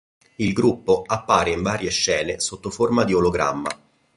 Il gruppo appare in varie scene sotto forma di ologramma.